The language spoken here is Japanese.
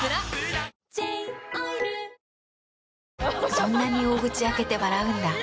そんなに大口開けて笑うんだ。